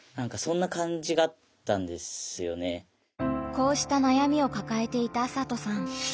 こうした悩みを抱えていた麻斗さん。